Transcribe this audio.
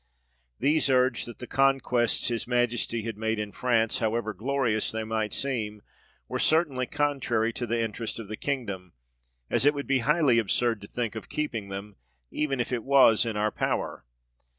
These urged, that the conquests his Majesty had made in France, however glorious they might seem, were certainly con trary to the interest of the kingdom, as it would be highly absurd to think of keeping them, even if it was in our power.